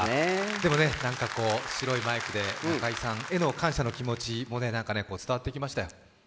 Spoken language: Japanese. でも、白いマイクで中居さんへの感謝の気持ち伝わってきましたよ。